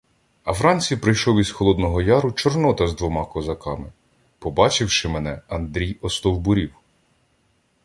А вранці прийшов із Холодного Яру Чорнота з двома козаками! Побачивши мене, Андрій остовбурів.